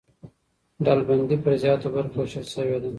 ډلبندي پر زیاتو برخو وېشل سوې ده.